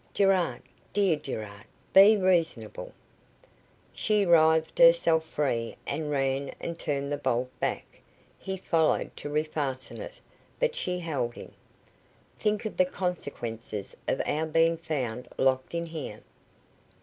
"Gerard, dear Gerard, be reasonable." She writhed herself free and ran and turned the bolt back. He followed to refasten it, but she held him. "Think of the consequences of our being found locked in here."